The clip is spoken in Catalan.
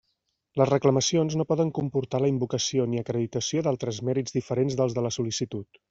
Les reclamacions no poden comportar la invocació ni acreditació d'altres mèrits diferents dels de la sol·licitud.